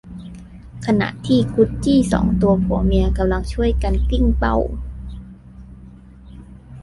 ขณะที่กุดจี่สองตัวผัวเมียกำลังช่วยกันกลิ้งเบ้า